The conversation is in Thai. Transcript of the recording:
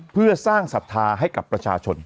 เพื่อสร้างศรัทธาให้กับประชาชน